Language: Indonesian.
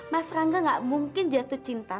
mas rangga gak mungkin jatuh cinta